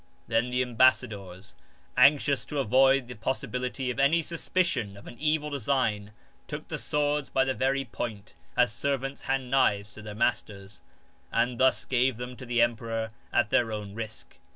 Then the ambassadors, anxious to avoid the possibility of any suspicion of an evil design, took the swords by the very point (as servants hand knives to their masters) and thus gave them to the emperor at their own risk.